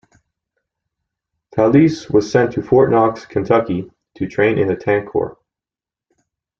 Talese was sent to Fort Knox, Kentucky, to train in the Tank Corps.